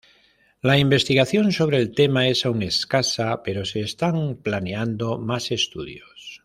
La investigación sobre el tema es aún escasa, pero se están planeando más estudios.